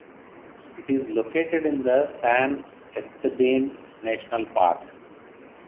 It is located in the San Esteban National Park.